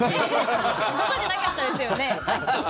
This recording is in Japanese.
ご存じなかったですよね？